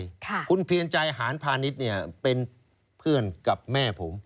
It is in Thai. ค่ะคุณเพียรใจหารพาณิชย์เนี่ยเป็นเพื่อนกับแม่ผม